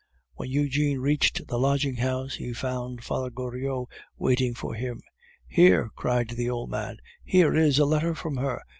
When Eugene reached the lodging house, he found Father Goriot waiting for him. "Here," cried the old man, "here is a letter from her.